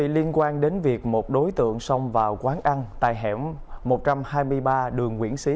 liên quan đến việc một đối tượng xông vào quán ăn tại hẻm một trăm hai mươi ba đường nguyễn xí